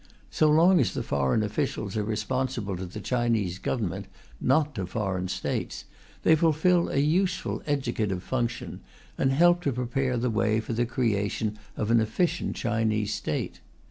So long as the foreign officials are responsible to the Chinese Government, not to foreign States, they fulfil a useful educative function, and help to prepare the way for the creation of an efficient Chinese State.